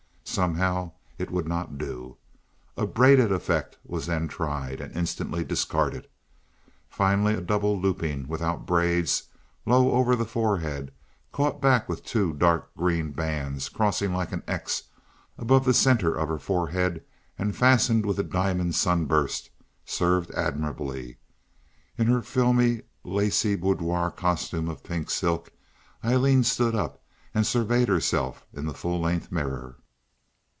Somehow it would not do. A braided effect was then tried, and instantly discarded; finally a double looping, without braids, low over the forehead, caught back with two dark green bands, crossing like an X above the center of her forehead and fastened with a diamond sunburst, served admirably. In her filmy, lacy boudoir costume of pink silk Aileen stood up and surveyed herself in the full length mirror.